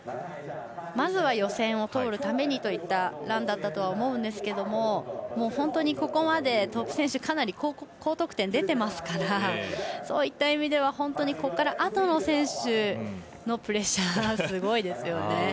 まずは予選を通るためにといったランだったとは思うんですけども本当に、ここまでトップ選手かなり高得点が出ていますからそういった意味ではここからあとの選手のプレッシャーはすごいですよね。